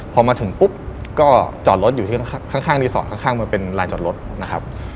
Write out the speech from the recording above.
พอมาถึงปุ๊บก็จอดรถอยู่ที่ข้างรีสอร์ทข้างมันเป็นลานจอดรถนะครับ